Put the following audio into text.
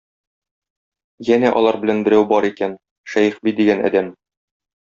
Янә алар белән берәү бар икән, Шәехби дигән адәм.